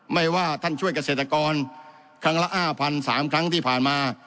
ไม่ว่าท่านช่วยเกษตรกรครั้งละ๕๓ครั้งที่ผ่านมา